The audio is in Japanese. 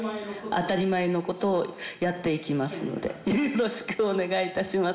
当たり前のことをやっていきますのでよろしくお願いいたします。